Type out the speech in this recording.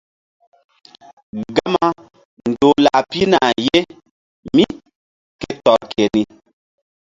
Gama ndoh lah pihna ye mí ke tɔr keni.